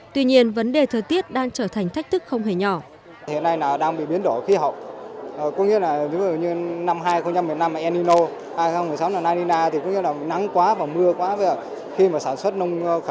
tuy nhiên vấn đề thời tiết đang trở thành thách thức không hề nhỏ